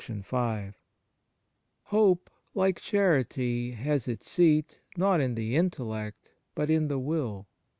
T T OPE, like charity, has its seat, not [~l in the intellect, but in the will.